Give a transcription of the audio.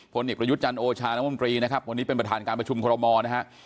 พนิตประยุทธ์จันโอชาณมนตรีนะครับวันนี้เป็นประธานการประชุมโครมมอลนะฮะ